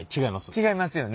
違いますよね。